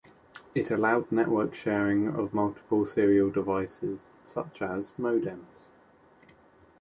It allowed network sharing of multiple serial devices, such as modems.